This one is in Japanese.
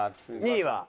２位は？